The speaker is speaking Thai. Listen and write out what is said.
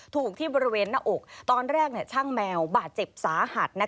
ถูกที่บริเวณหน้าอกตอนแรกช่างแมวบาดเจ็บสาหัส